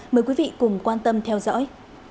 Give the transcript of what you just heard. mời quý vị cùng quan tâm theo dõi